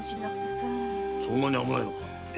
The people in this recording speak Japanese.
そんなに危ないのか？